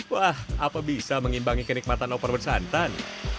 wah apa bisa mengimbangi kenikmatan opor bersantan